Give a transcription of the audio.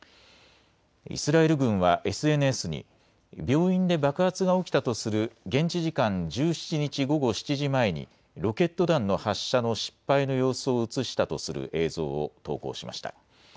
イスラエル軍はＳＮＳに病院で爆発が起きたとする現地時間１７日、午後７時前にロケット弾の発射の失敗の様子を写したとする映像を投稿しました。